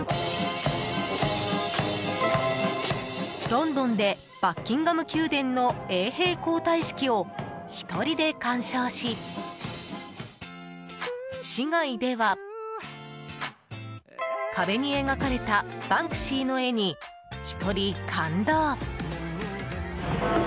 ロンドンでバッキンガム宮殿の衛兵交代式を１人で鑑賞し市街では、壁に描かれたバンクシーの絵に１人、感動。